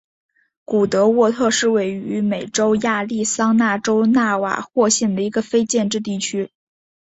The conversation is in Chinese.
古德沃特是位于美国亚利桑那州纳瓦霍县的一个非建制地区。